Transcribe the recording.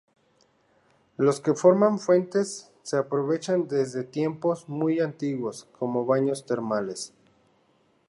Los que forman fuentes, se aprovechan desde tiempos muy antiguos como baños termales.